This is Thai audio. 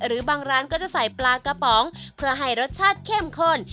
หรือบางร้านก็จะใส่ปลากระป๋องเพื่อให้รสชาติเข้มข้น